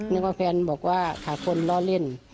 นึกว่าแฟนบอกว่าขาคนล้อเล่น